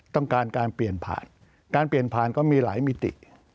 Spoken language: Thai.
การการเปลี่ยนผ่านการเปลี่ยนผ่านก็มีหลายมิติ